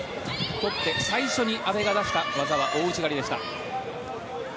取って、最初に阿部が出した技は大内刈りでした。